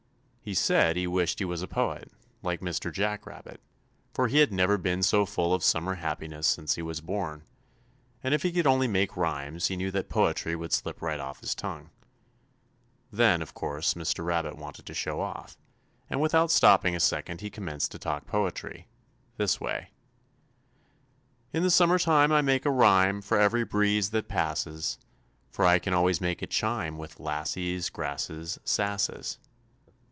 He said he wished he was a poet, like Mr. Jack Rabbit, for he had never been so full of summer happiness since he was born, and if he could only make rhymes, he knew that poetry would slip right off his tongue. Then, of course, Mr. Rabbit wanted to show off, and without stopping a second he commenced to talk poetry this way: "In the summer time I make a rhyme For every breeze that passes, For I can always make it chime With lassies, grasses, sasses."